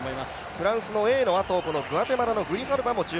フランスのエーのあと、グアテマラのグリハルバ。